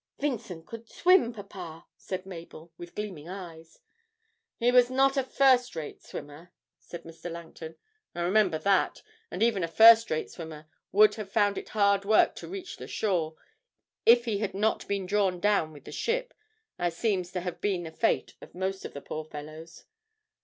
'Vincent could swim, papa,' said Mabel, with gleaming eyes. 'He was not a first rate swimmer,' said Mr. Langton, 'I remember that, and even a first rate swimmer would have found it hard work to reach the shore, if he had not been drawn down with the ship, as seems to have been the fate of most of the poor fellows.